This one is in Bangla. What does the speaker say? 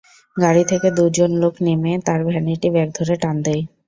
গাড়ি থেকে দুজন লোক নেমে তাঁর ভ্যানিটি ব্যাগ ধরে টান দেয়।